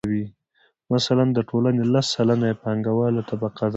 مثلاً د ټولنې لس سلنه یې پانګواله طبقه ده